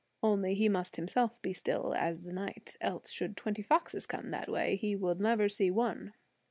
Only he must himself be still as the night; else, should twenty foxes come that way, he will never see one.